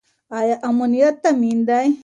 ايا امنيت تامين دی؟